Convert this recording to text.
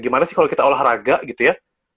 gimana sih kalau kita olahraga gitu ya